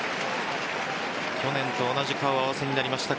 去年と同じ顔合わせになりました